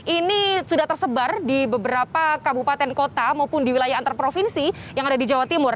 ini sudah tersebar di beberapa kabupaten kota maupun di wilayah antar provinsi yang ada di jawa timur